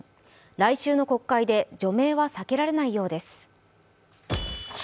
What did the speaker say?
来週の国会で除名は避けられないようです。